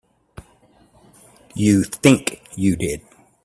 You think you did.